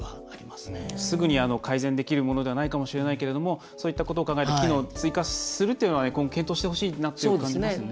すぐに改善できるものではないかもしれないけれどもそういったことを考えて機能を追加するっていうのは検討してほしいなと感じますよね。